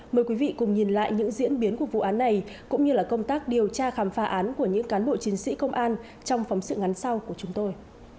mời quý vị cùng nhìn lại những diễn biến của vụ án này cũng như công tác điều tra khám phá án của những cán bộ chiến sĩ công an trong phóng sự ngắn sau của chúng tôi